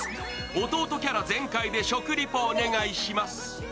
弟キャラ全開で食リポお願いします。